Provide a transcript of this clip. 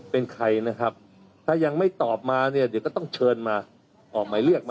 เป็นใครนะครับถ้ายังไม่ตอบมาเนี่ยเดี๋ยวก็ต้องเชิญมาออกหมายเรียก